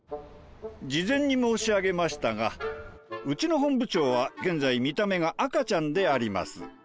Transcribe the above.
事前に申し上げましたがうちの本部長は現在見た目が赤ちゃんであります。